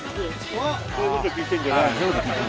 そういうこと聞いてんじゃないの。